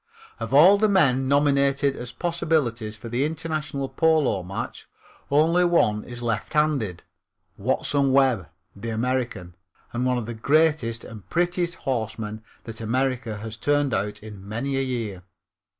Of all the men nominated as possibilities for the international polo match only one is lefthanded, Watson Webb, the American, and one of the greatest and prettiest horsemen that America has turned out in many a year.